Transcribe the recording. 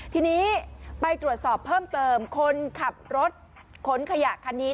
ทีนี้ไปตรวจสอบเพิ่มเติมคนขับรถขนขยะคันนี้